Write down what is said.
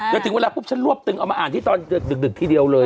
จะถึงเวลาฉันรวบตรงเอามาอ่านดึกทีเดียวเลย